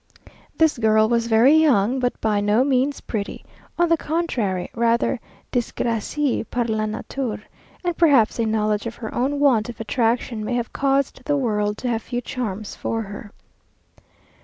This girl was very young, but by no means pretty; on the contrary, rather disgraciee par la nature; and perhaps a knowledge of her own want of attraction may have caused the world to have few charms for her.